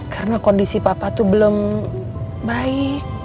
karena kondisi papa tuh belum baik